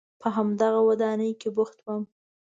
په همدغه ودانۍ کې بوخت وم.